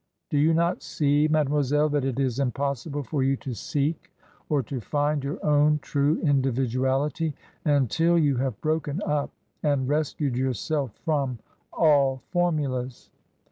Do you not see, mademoiselle, that it is impossible for you to seek or to find your own true individuality until you have broken up and rescued yourself from all formulas